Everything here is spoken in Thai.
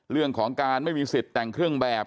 เรื่องของการไม่มีสิทธิ์แต่งเครื่องแบบ